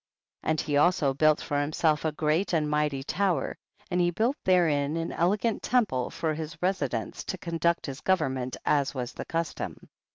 8. And he also built for himself a great and mighty tower, and he built therein an elegant temple for his re sidence, to conduct his government, as was the custom.